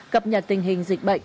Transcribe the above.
cập nhật tình hình dịch bệnh